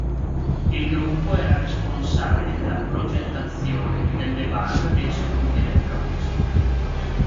Il gruppo era responsabile della progettazione e del debug dei circuiti elettronici.